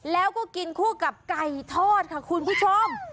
แล้วก็กินคู่กับไก่ทอดค่ะคุณผู้ชม